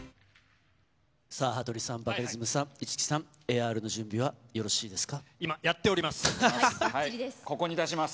さぁ羽鳥さん、バカリズムさん、市來さん、ＡＲの準備はよろしいですか？